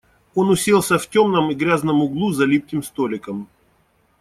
Он уселся в темном и грязном углу, за липким столиком.